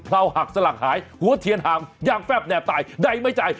เผลาหักสลักหายหัวเทียนห่างยากแฟบแนบตายได้ไม่จ่าย